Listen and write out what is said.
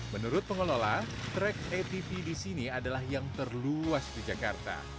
menurut pengelola trek atv di sini adalah yang terluas di jakarta